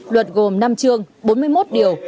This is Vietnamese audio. luật gồm năm chương bốn mươi một điều